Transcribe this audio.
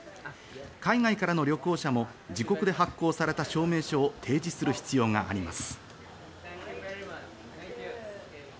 海外からの旅行者も自国で発行された証明書を提示する必要があります。